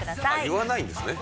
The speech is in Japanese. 言わないんですね。